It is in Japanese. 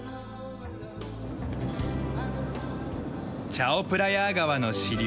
チャオプラヤー川の支流